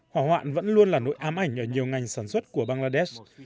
hỏa hoạn vẫn luôn là nỗi ám ảnh ở nhiều ngành sản xuất của bangladesh